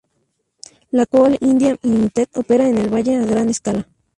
La Coal India Limited opera en el valle a gran escala.